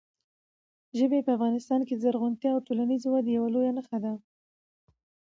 ژبې په افغانستان کې د زرغونتیا او ټولنیزې ودې یوه لویه نښه ده.